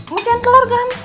mecahin telur gampang